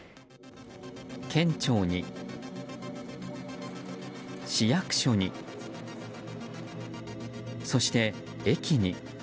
県庁に、市役所にそして、駅に。